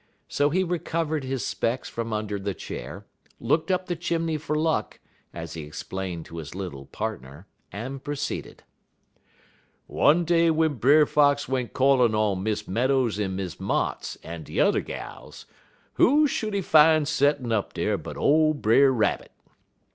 So he recovered his specks from under the chair, looked up the chimney for luck, as he explained to his little partner, and proceeded: "One day w'en Brer Fox went callin' on Miss Meadows en Miss Motts en de t'er gals, who should he fine settin' up dar but ole Brer Rabbit?